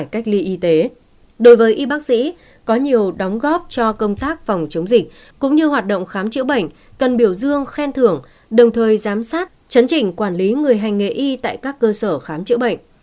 đối với y bác sĩ có nhiều đóng góp cho công tác phòng chống dịch cũng như hoạt động khám chữa bệnh cần biểu dương khen thưởng đồng thời giám sát chấn chỉnh quản lý người hành nghề y tại các cơ sở khám chữa bệnh